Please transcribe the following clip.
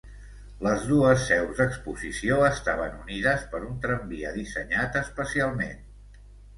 Les dues seus d'exposició estaven unides per un tramvia dissenyat especialment.